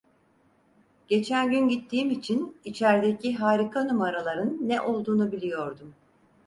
Geçen gün gittiğim için içerdeki harika numaraların ne olduğunu biliyordum: